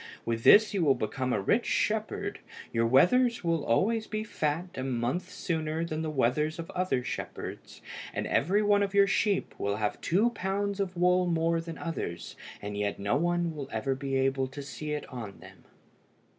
With this you will become a rich shepherd. Your wethers will be always fat a month sooner than the wethers of other shepherds, and every one of your sheep will have two pounds of wool more than others, and yet no one will ever be able to see it on them."